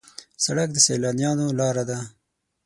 سړک د سیلانیانو لاره ده.